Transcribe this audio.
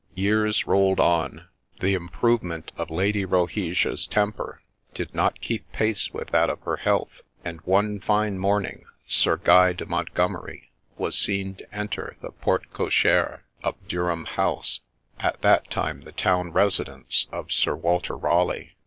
Years rolled on. — The improvement of Lady Rohesia's temper H72 THE LADY ROHESIA did not keep pace with that of her health ; and one fine morning Sir Guy de Montgomeri was seen to enter the porte cochere of Durham House, at that time the town residence of Sir Walter Raleigh.